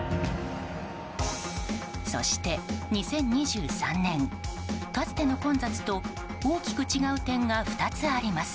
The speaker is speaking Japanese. そして、２０２３年かつての混雑と大きく違う点が２つあります。